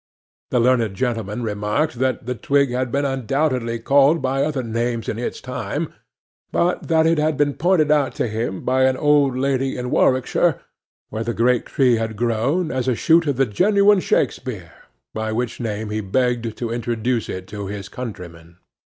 The learned gentleman remarked that the twig had been undoubtedly called by other names in its time; but that it had been pointed out to him by an old lady in Warwickshire, where the great tree had grown, as a shoot of the genuine SHAKSPEARE, by which name he begged to introduce it to his countrymen.